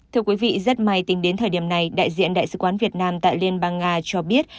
thưa quý vị rất may tính đến thời điểm này đại diện đại sứ quán việt nam tại liên bang nga cho biết